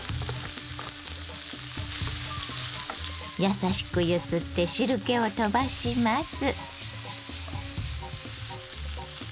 優しく揺すって汁けをとばします。